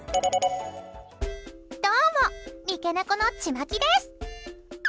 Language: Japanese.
どうも、三毛猫のチマキです。